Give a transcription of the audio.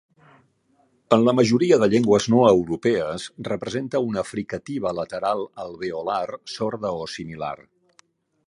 En la majoria de llengües no europees, representa una fricativa lateral alveolar sorda o similar.